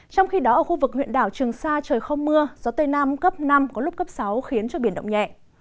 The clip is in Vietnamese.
trong khi đó ở khu vực huyện đảo trường sa trời không mưa gió tây nam cấp năm có lúc cấp sáu khiến cho biển động nhẹ